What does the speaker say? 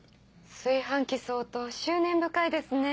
炊飯器総統執念深いですね。